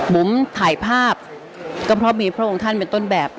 บุ๋มถ่ายภาพก็เพราะมีพระองค์ท่านเป็นต้นแบบ